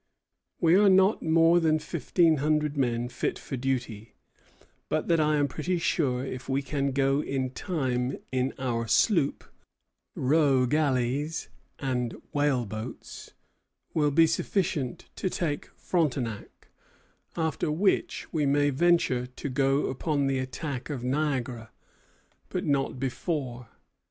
We are not more than about fifteen hundred men fit for duty; but that, I am pretty sure, if we can go in time in our sloop, schooner, row galleys, and whale boats, will be sufficient to take Frontenac; after which we may venture to go upon the attack of Niagara, but not before.